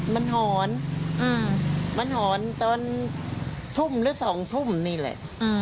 อ๋อคือนัคหอนมันหอนมันหอนตรงทุ่มหรือสองทุ่มนี้แหละ